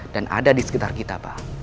dan ada di sekitar kita pak